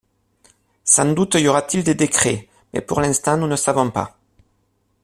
Sans doute y aura-t-il des décrets, mais pour l’instant nous ne savons pas.